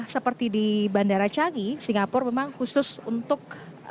seperti di bandara canggi singapura memang khusus untuk